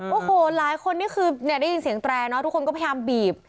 โอ้โหหลายคนนี่คือได้ยินเสียงแตรเนาะทุกคนก็พยายามบีบ